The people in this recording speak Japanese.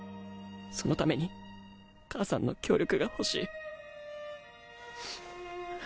そのために母さんの協力が欲しい。